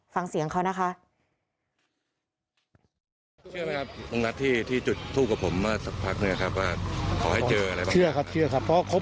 ฟังเสียงเขานะคะ